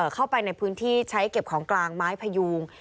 เข้าไปในพื้นที่ใช้เก็บของกลางไม้พยูง